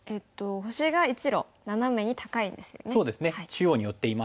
中央に寄っています。